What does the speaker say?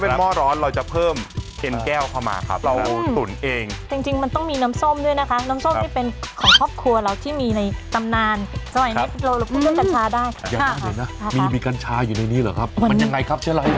พอดีว่าตอนนี้รัฐบาลได้เปลี่ยนแล้วนะคะ